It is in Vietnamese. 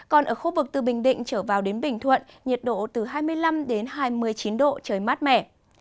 còn ở khu vực từ bình định trở vào đến bình thuận nhiệt độ từ hai mươi năm đến hai mươi chín độ trời mát mẻ